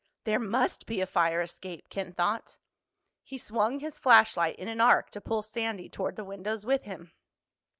"There must be a fire escape!" Ken thought. He swung his flashlight in an arc to pull Sandy toward the windows with him.